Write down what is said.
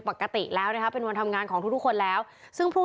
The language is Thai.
ปกติแล้วนะคะเป็นวันทำงานของทุกคนแล้วซึ่งผู้